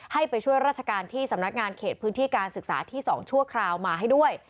ให้ไปช่วยราชการที่สำนักงานเขตพื้นที่การศึกษาที่๒ชั่วคราวมาให้ด้วย